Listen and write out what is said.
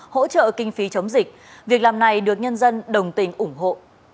hỗ trợ kinh phí chống dịch việc làm này được nhân dân đồng tình ủng hộ